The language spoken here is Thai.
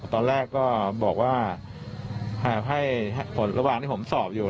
ตอนแรกก็บอกว่าให้ผลระหว่างที่ผมสอบอยู่